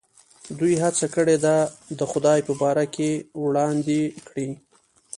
دوی هڅه کړې ده د خدای په باره کې وړاندې کړي.